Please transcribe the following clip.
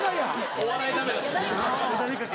・お笑いダメ出し・